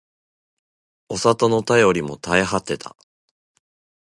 お里の便りも絶え果てた